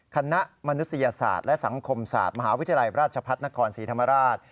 มนุษยศาสตร์และสังคมศาสตร์มหาวิทยาลัยราชพัฒนครศรีธรรมราช